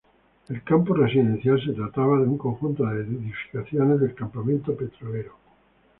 El campo residencial se trataba de un conjunto de edificaciones del campamento petrolero.